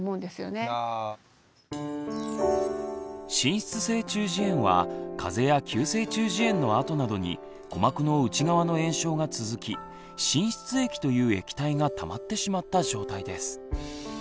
滲出性中耳炎は風邪や急性中耳炎のあとなどに鼓膜の内側の炎症が続き滲出液という液体がたまってしまった状態です。